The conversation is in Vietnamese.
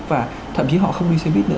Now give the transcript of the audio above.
và thậm chí họ không đi xe buýt nữa